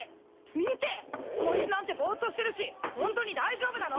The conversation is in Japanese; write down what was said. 見てコイツなんてボーッとしてるしホントに大丈夫なの？